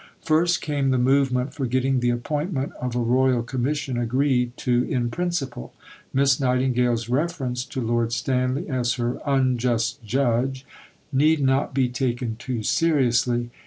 First came the movement for getting the appointment of a Royal Commission agreed to in principle. Miss Nightingale's reference to Lord Stanley as her "unjust judge" need not be taken too seriously.